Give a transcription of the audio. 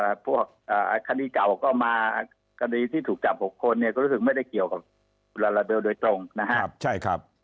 แต่พวกคดีเก่าก็มาคดีที่ถูกจับ๖คนเนี่ยก็รู้สึกไม่ได้เกี่ยวกับละละเบนโดยตรงนะครับ